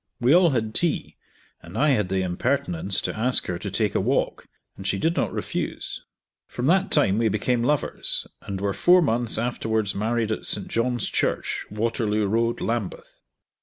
We all had tea, and I had the impertinence to ask her to take a walk, and she did not refuse. From that time we became lovers, and were four months afterwards married at St. John's Church, Waterloo road, Lambeth.